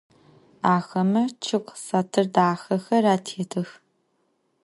Axeme ççıg satır daxexer atêtıx.